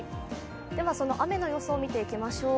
その雨の予想を見ていきましょう。